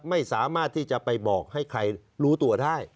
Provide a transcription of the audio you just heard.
ไม่สามารถที่จะไปบอกให้ใครรู้ตัวได้